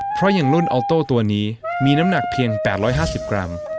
เพราะอย่างนุ่นออโต้ตัวนี้มีน้ำหนักเพียง๘๕๐กรัม